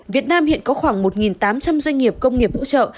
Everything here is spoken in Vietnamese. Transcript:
việt nam hiện có khoảng một tám trăm linh doanh nghiệp công nghiệp hỗ trợ